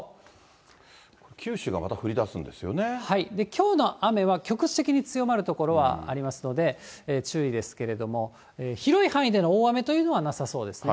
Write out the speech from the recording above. きょうの雨は局地的に強まる所はありますので、注意ですけれども、広い範囲での大雨というのはなさそうですね。